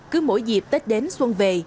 cứ mỗi dịp tết đến xuân về